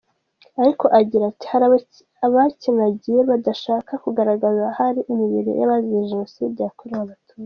Ariko agira ati “Hari abacyinagiye badashaka kugaragaza ahari imibiri y’Abazize Jenoside yakorewe Abatutsi.